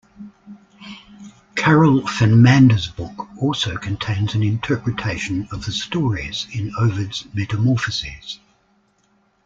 Karel van Mander's book also contains an interpretation of the stories in Ovid's "Metamorphoses".